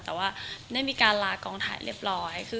แต่ว่าได้มีการลากองถ่ายเรียบร้อย